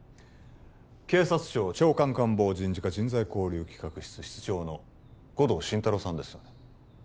警察庁長官官房人事課人材交流企画室室長の護道心太朗さんですよね？